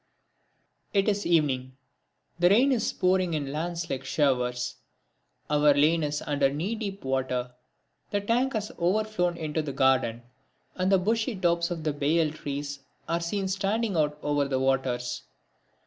It is evening. The rain is pouring in lance like showers. Our lane is under knee deep water. The tank has overflown into the garden, and the bushy tops of the Bael trees are seen standing out over the waters.